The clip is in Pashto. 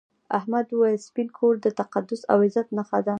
احمد وویل سپین کور د تقدس او عزت نښه ده.